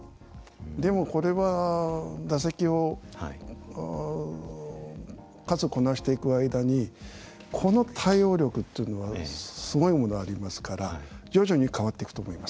でもこれは打席の数こなしていく間にこの対応力っていうのはすごいものありますから徐々に変わっていくと思います。